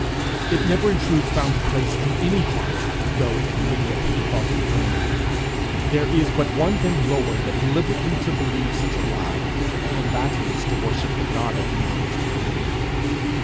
It never in truth found place in any heart, though in many a pettifogging brain. There is but one thing lower than deliberately to believe such a lie, and that is to worship the God of whom it is believed.